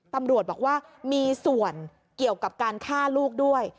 ตำรวจบอกว่ามีส่วนเกี่ยวกับการฆ่าลูกด้วย